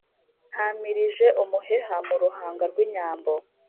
ntamirije umuheha mu ruhanga rw'inyambo.